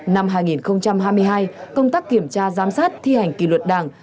năm hai nghìn hai mươi hai công tác kiểm tra giám sát thi hành kỳ luật đảng